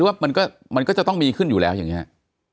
ว่ามันก็จะต้องมีขึ้นอยู่แล้วอย่างนี้